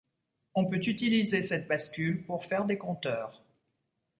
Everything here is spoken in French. On peut utiliser cette bascule pour faire des compteurs.